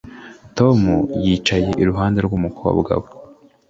Tom yicaye iruhande rwumukobwa we